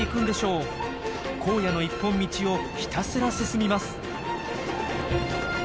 荒野の一本道をひたすら進みます。